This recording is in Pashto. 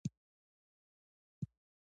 افغانستان د خپلواکیو او مقاومتونو تاریخ لري.